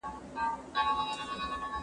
تور مېږي وه، سره مېږي وه، ښانګور وه